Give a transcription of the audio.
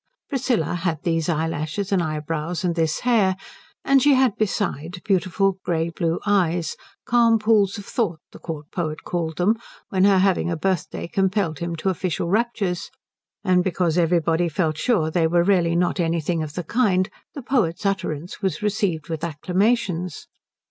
Priscilla had these eyelashes and eyebrows and this hair, and she had besides beautiful grey blue eyes calm pools of thought, the court poet called them, when her having a birthday compelled him to official raptures; and because everybody felt sure they were not really anything of the kind the poet's utterance was received with acclamations.